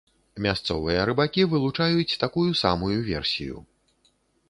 Мясцовыя рыбакі вылучаюць такую самую версію.